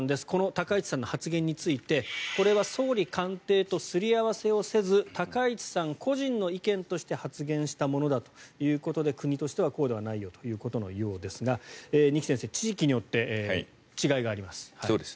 この高市さんの発言についてこれは総理官邸とすり合わせをせず高市さん個人の意見として発言したものだということで国としてはこうではないよということですが二木先生、地域によって違いがあります。